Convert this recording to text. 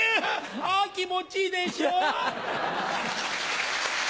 あ気持ちいいでしょう？